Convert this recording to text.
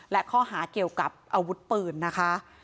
และข้อหาเกี่ยวกับอาวุธปืนนะคะ